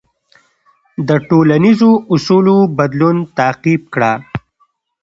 د ټولنیزو اصولو بدلون تعقیب کړه.